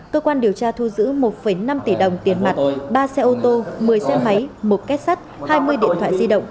cơ quan điều tra thu giữ một năm tỷ đồng tiền mặt ba xe ô tô một mươi xe máy một kết sắt hai mươi điện thoại di động